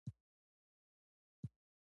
«ستا ژوندون هسې یو خوب و.»